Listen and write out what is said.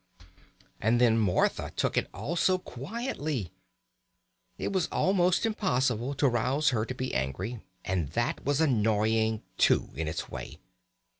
And then Martha took it all so quietly. It was almost impossible to rouse her to be angry, and that was annoying too in its way.